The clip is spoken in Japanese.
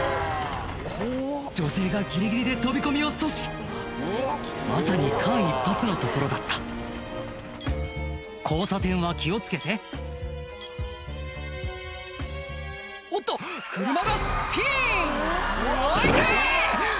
女性がギリギリで飛び込みを阻止まさに間一髪のところだった交差点は気を付けておっと車がスピン「あ痛っ！